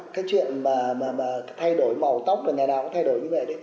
cái chuyện mà thay đổi màu tóc ngày nào cũng thay đổi như vậy